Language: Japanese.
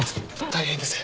大変です！